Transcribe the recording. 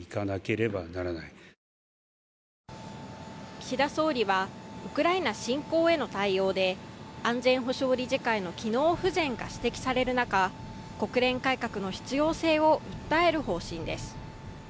岸田総理はウクライナ侵攻への対応で安全保障理事会の機能不全が指摘される中国連改革の必要性を訴える方針です。